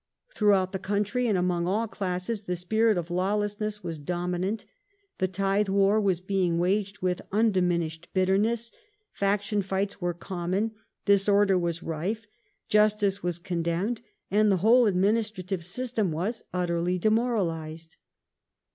Throughout the country and among all classes the spii'it^on'd of lawlessness was dominant ; the tithe war was being waged with undiminished bitterness ; faction fights were common ; disorder was rife ; justice was contemned, and the whole administrative system was utterly demoralized.